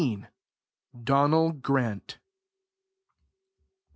DONAL GRANT.